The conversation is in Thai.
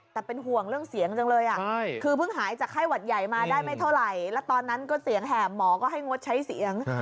แต่เป็นห่วงเรื่องเสียงจังเลยคือเพิ่งหายจากไข้หวัดใหญ่มาได้ไม่เท่าไหร่แล้วตอนนั้นก็เสียงแหบหมอก็ให้งดใช้เสียง